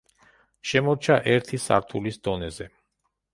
შემორჩა ერთი სართულის დონეზე.